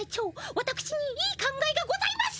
わたくしにいい考えがございます！